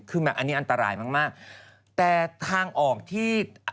คือแบบอันนี้อันตรายมากมากแต่ทางออกที่